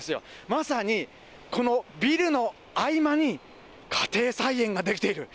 まさにこのビルの合間に、家庭菜園が出来ている。